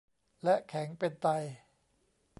และแข็งเป็นไต